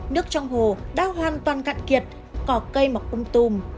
nước trong hồ đã hoàn toàn cạn kiệt có cây mọc bông tùm